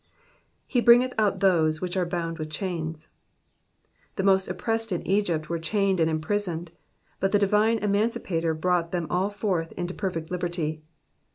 ''He hringeth out those which are bound with chains.'' The most oppressed in Egypt were chained and imprisoned, but the divine Emancipator brought them all forth into perfect liberty.